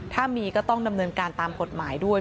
ถ้ามีก็ต้องดำเนินการตามกฎหมายด้วย